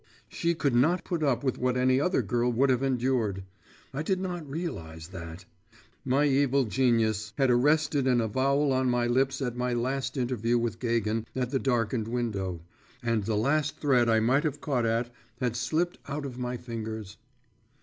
She could not put up with what any other girl would have endured; I did not realise that. My evil genius had arrested an avowal on my lips at my last interview with Gagin at the darkened window, and the last thread I might have caught at, had slipped out of my fingers.